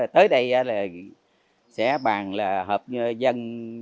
tới đây sẽ bàn là hợp dân